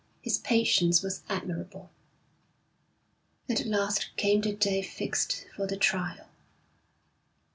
His patience was admirable. At last came the day fixed for the trial.